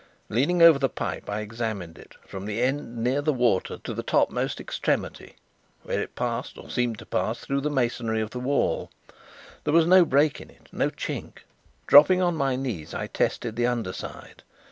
Leaning over the pipe, I examined it, from the end near the water to the topmost extremity where it passed, or seemed to pass, through the masonry of the wall. There was no break in it, no chink. Dropping on my knees, I tested the under side.